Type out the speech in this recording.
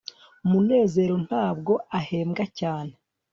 munezero ntabwo ahembwa cyane